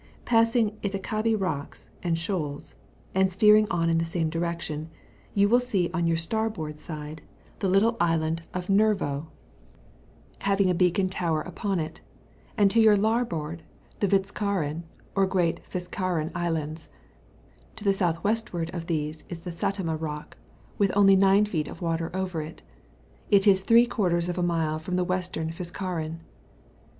Passing Itakahi Rocks and shoals^ and steering on in the same direction, you wiU see on your starboard side the little THE GULF OF FINLAND. 11 Island of Nerro, having a beacon tower upon it; and to your larboard the Vidskaren or Great Fiskaren Islands : to the south westward of these is the Satima Bock, with only 9 feet water over it ; it is three quarters of a mile from the Western Fiskaren.